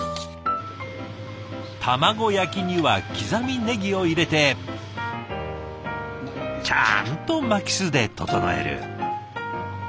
卵焼きには刻みねぎを入れてちゃんと巻きすで整える。